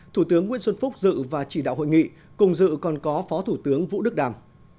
thủ tướng nguyễn xuân phúc dự và chỉ đạo hội nghị cùng dự còn có phó thủ tướng vũ đức đàm